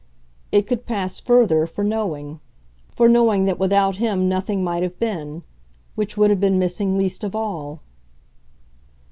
It could pass, further, for knowing for knowing that without him nothing might have been: which would have been missing least of all.